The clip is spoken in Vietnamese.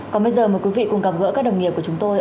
còn bây giờ mời quý vị cùng gặp gỡ các đồng nghiệp của chúng tôi